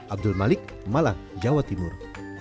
abdul malik malang jawa timur